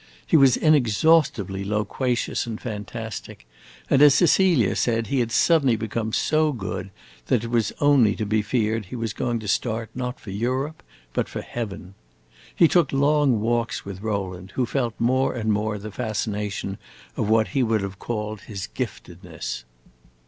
He was inexhaustibly loquacious and fantastic, and as Cecilia said, he had suddenly become so good that it was only to be feared he was going to start not for Europe but for heaven. He took long walks with Rowland, who felt more and more the fascination of what he would have called his giftedness.